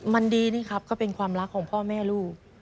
มันดีนี่ครับก็เป็นความรักของพ่อแม่ลูก